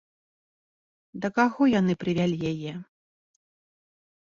Да каго яны прывялі яе?